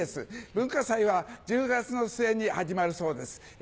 文化祭は１０月の末に始まるそうです。